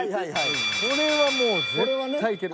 これはもう絶対いける。